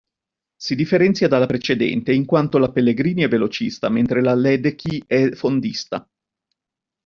Si differenzia dalla precedente in quanto la Pellegrini è velocista mentre la Ledecky è fondista.